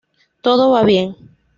Todo va bien.